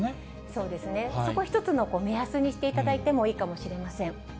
そうですね、そこ、１つの目安にしていただいてもいいかもしれません。